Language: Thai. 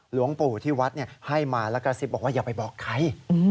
หลวงปู่ที่วัดให้มาแล้วกระซิบบอกว่าอย่าไปบอกใคร